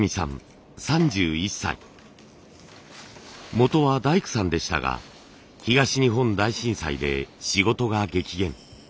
もとは大工さんでしたが東日本大震災で仕事が激減。